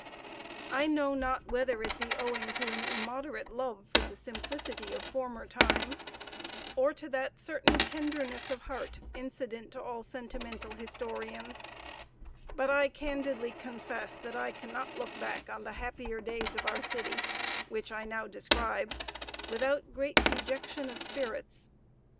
I know not whether it be owing to an immoderate love for the simplicity of former times, or to that certain tenderness of heart incident to all sentimental historians, but I candidly confess that I cannot look back on the happier days of our city, which I now describe, without great dejection of spirits.